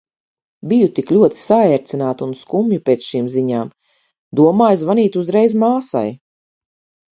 Biju tik ļoti saērcināta un skumja pēc šīm ziņām. Domāju zvanīt uzreiz māsai.